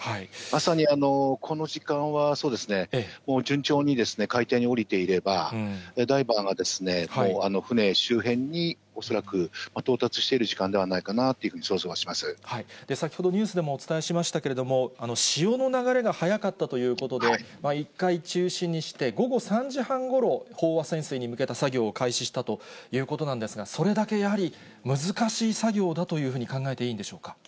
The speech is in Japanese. まさにこの時間は、そうですね、順調に海底に降りていれば、ダイバーが船周辺に恐らく、到達している時間ではないかなと先ほど、ニュースでもお伝えしましたけれども、潮の流れが速かったということで、１回中止にして、午後３時半ごろ、飽和潜水に向けた作業を開始したということなんですが、それだけやはり、難しい作業だというふうに考えていいんでしょうか。